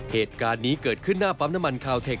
เหตุการณ์นี้เกิดขึ้นหน้าปั๊มน้ำมันคาวเทค